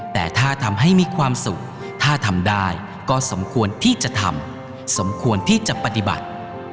แต่ถ้าทำให้มีความสุขถ้าทำได้ก็สมควรที่จะทำสมควรที่จะปฏิบัติ